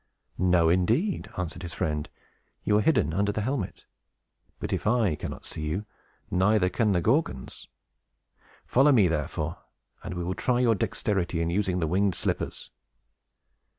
"No, indeed!" answered his friend. "You are hidden under the helmet. But, if I cannot see you, neither can the Gorgons. Follow me, therefore, and we will try your dexterity in using the winged slippers."